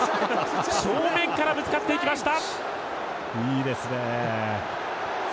正面からぶつかっていきました。